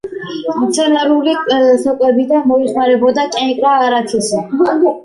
მცენარეული საკვებიდან მოიხმარებოდა კენკრა, არაქისი.